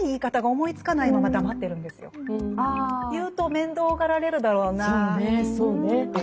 言うと面倒がられるだろうなっていう。